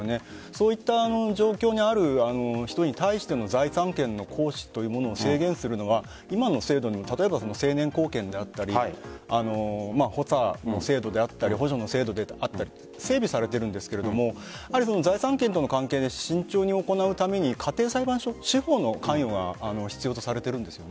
そういった状況にある人に対しての財産権の行使というものを制限するのは今の制度でも成年後見であったり補佐の制度であったり補助の制度であったり整備されているんですが財産権との関係で慎重に行うために、家庭裁判所司法の関与が必要とされているんです。